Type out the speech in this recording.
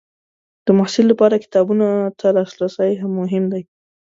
د محصل لپاره کتابونو ته لاسرسی مهم دی.